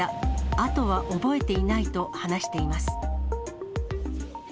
あとは覚えていないと話しています。